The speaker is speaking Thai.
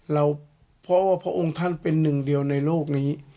เพราะว่าพระองค์ท่านเป็นหนึ่งเดียวในโลกนี้